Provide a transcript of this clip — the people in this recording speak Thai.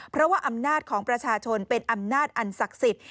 เพราะว่าอำนาจของประชาชนเป็นอำนาจอันศักดิ์สิทธิ์